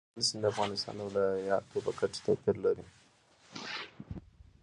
د کابل سیند د افغانستان د ولایاتو په کچه توپیر لري.